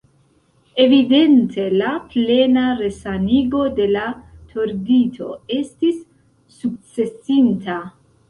Evidente la plena resanigo de la tordito estis sukcesinta.